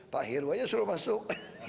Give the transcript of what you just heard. pak heru aja suruh masuk